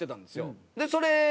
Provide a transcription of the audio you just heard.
でそれ